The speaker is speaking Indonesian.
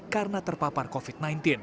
karena terpapar covid sembilan belas